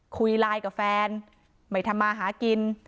คุยไลน์กับแฟนไม่ทำมาหากิน